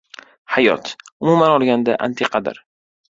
Hayot, umuman olganda, antiqadir.